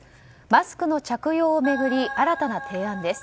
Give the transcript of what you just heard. マスクの着用を巡り新たな提案です。